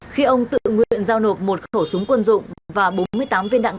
khi ông tự nguyện giao nộp một khẩu súng quân dụng và bốn mươi tám viên đạn